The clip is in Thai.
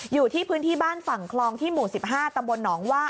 อยู่ที่พื้นที่บ้านฝั่งคลองที่หมู่๑๕ตำบลหนองว่า